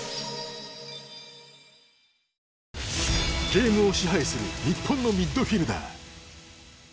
ゲームを支配する日本のミッドフィルダー。